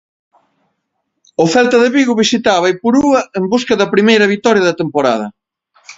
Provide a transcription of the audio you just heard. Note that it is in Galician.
O Celta de Vigo visitaba Ipurúa en busca da primeira vitoria da temporada.